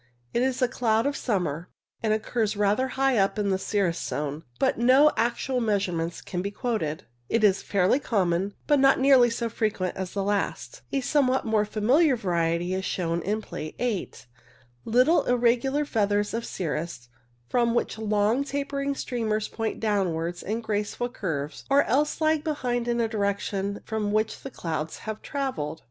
It is a cloud of summer, and occurs rather high up in the cirrus zone, but no actual measurements can be quoted. It is fairly common, but not nearly so frequent as the last. ■A somewhat more familiar variety is shown in Plate 8. Little irregular feathers of cirrus, from which long tapering streamers point downwards in graceful curves, or else lag behind in the direction from which the clouds have travelled.